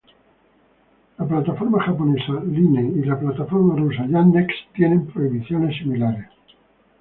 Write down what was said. La plataforma japonesa Line y la plataforma rusa Yandex tienen prohibiciones similares.